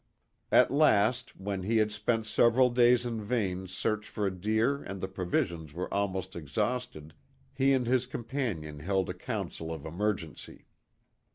At last, when he had spent several days in vain search for a deer and the provisions were almost exhausted, he and his companion held a council of emergency.